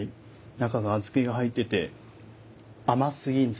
中が小豆が入っていて甘すぎず。